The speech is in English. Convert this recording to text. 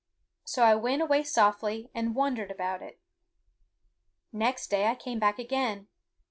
So I went away softly and wondered about it. Next day I came back again.